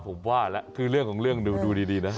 ผมว่าแล้วคือเรื่องของเรื่องดูดีนะ